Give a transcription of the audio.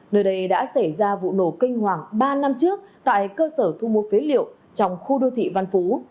nơi đây đã xảy ra vụ nổ kinh hoàng ba năm trước tại cơ sở thu mua phế liệu trong khu đô thị văn phú